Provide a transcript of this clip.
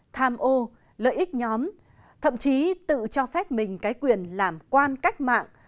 tham ô lợi ích nhóm thậm chí tự cho phép mình cái quyền làm quan cách mạng